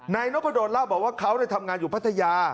นายนพดลเล่าบอกว่าเขาทำงานอยู่พัทยา